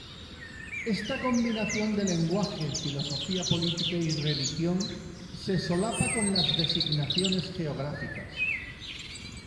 Esta combinación de lenguaje, filosofía política y religión se solapa con las designaciones geográficas.